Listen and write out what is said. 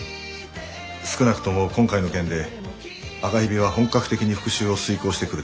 少なくとも今回の件で赤蛇は本格的に復讐を遂行してくるでしょう。